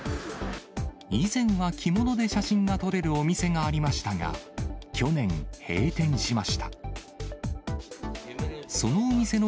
以前は着物で写真が撮れるお店がありましたが、去年、閉店しました。